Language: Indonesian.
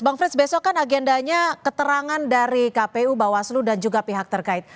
bang frits besok kan agendanya keterangan dari kpu bawaslu dan juga pihak terkait